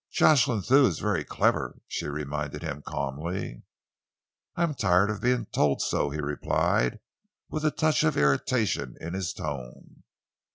"Jocelyn Thew is very clever," she reminded him calmly. "I am tired of being told so," he replied, with a touch of irritation in his tone.